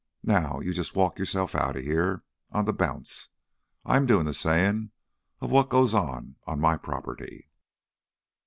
Now you jus' walk yourself outta here on th' bounce. I'm doin' th' sayin' of what goes on, on my own property."